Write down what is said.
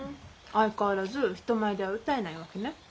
相変わらず人前では歌えないわけね。